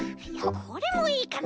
これもいいかな？